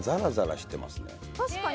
確かに。